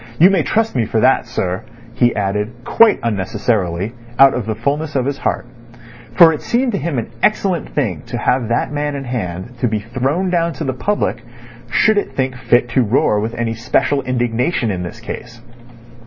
"You may trust me for that, sir," he added, quite unnecessarily, out of the fulness of his heart; for it seemed to him an excellent thing to have that man in hand to be thrown down to the public should it think fit to roar with any special indignation in this case.